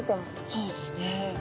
そうですね。